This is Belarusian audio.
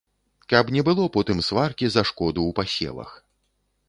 Каб не было потым сваркі за шкоду ў пасевах.